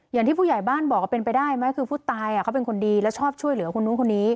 อย่างที่ผู้ใหญ่บ้านบอกว่าเป็นไปได้ไหมคือผู้ตายเขาเป็นคนดีแล้วชอบช่วยเหลือคนนู้นคนนี้